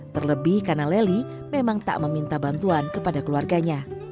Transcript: terlebih karena lely memang tak meminta bantuan kepada keluarganya